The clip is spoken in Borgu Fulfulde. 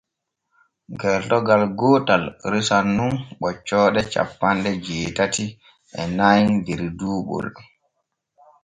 Gertogal gootal resan nun ɓoccooɗe cappanɗe jeetati e nay der duuɓol.